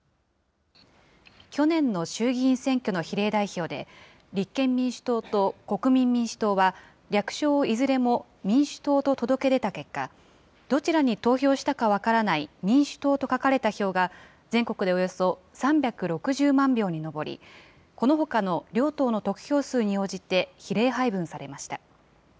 去年の衆議院選挙の比例代表で、立憲民主党と国民民主党は、略称をいずれも民主党と届け出た結果、どちらに投票したか分からない民主党と書かれた票が全国でおよそ３６０万票に上り、このほかの両党の得票数に応じて比例配分されました。